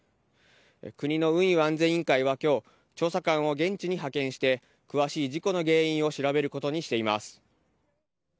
国の運輸安全委員会は今日調査官を現地に派遣して詳しい事故の原因を調べることにしています。